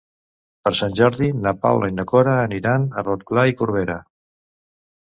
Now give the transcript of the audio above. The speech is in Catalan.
Per Sant Jordi na Paula i na Cora aniran a Rotglà i Corberà.